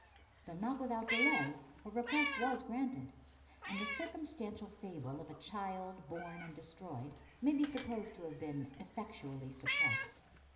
Though not without delay, her request was granted, and the circumstantial fable of a child born and destroyed may be supposed to have been effectually suppressed.